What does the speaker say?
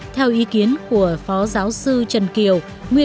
theo ý kiến của phó giáo sư trần kiều